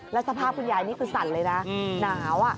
แล้วสภาพคุณยายนี่คือสั่นเลยนะหนาว